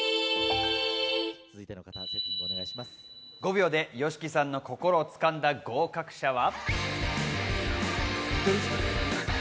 ５秒でＹＯＳＨＩＫＩさんの心を掴んだ合格者は。